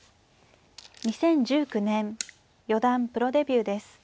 ２０１９年四段プロデビューです。